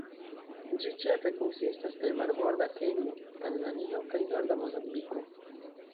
Ĝi ĉefe konsistas el marborda Kenjo, Tanzanio kaj norda Mozambiko.